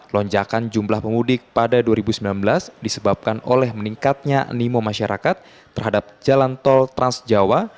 lonjakan jumlah pemudik pada dua ribu sembilan belas disebabkan oleh meningkatnya animo masyarakat terhadap jalan tol trans jawa